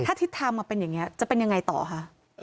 ถ้าทิศทำเป็นอย่างนี้จะเป็นยังไงต่อคะ